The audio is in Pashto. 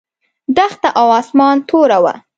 دښته او اسمان توره وه.